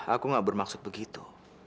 aku nggak bermaksud begitu